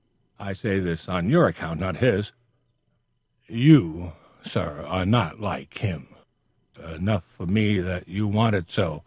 I say this on your account, not his. You are not like him. It is enough for me that you want it so.